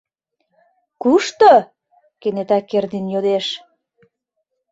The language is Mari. — Кушто? — кенета Кердин йодеш.